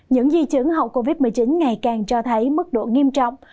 những di chứng hậu covid một mươi chín ngày càng cho thấy mức độ nghiêm trọng